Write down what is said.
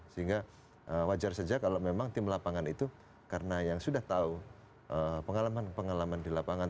sehingga wajar saja kalau memang tim lapangan itu karena yang sudah tahu pengalaman pengalaman di lapangan